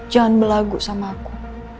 jangan berlagu sama aku